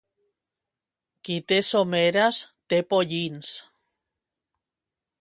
Qui té someres, té pollins.